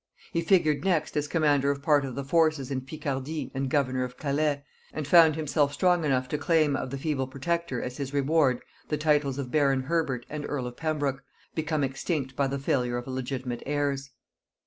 He figured next as commander of part of the forces in Picardy and governor of Calais, and found himself strong enough to claim of the feeble protector as his reward the titles of baron Herbert and earl of Pembroke, become extinct by the failure of legitimate heirs.